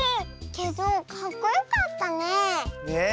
けどかっこよかったねえ。ね。